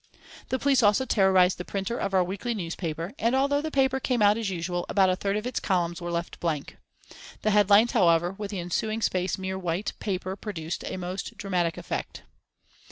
The police also terrorised the printer of our weekly newspaper, and although the paper came out as usual, about a third of its columns were left blank. The headlines, however, with the ensuing space mere white paper produced a most dramatic effect.